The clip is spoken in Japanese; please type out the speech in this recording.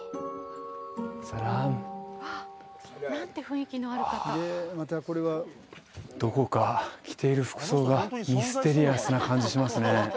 サラームサラームあどこか着ている服装がミステリアスな感じしますね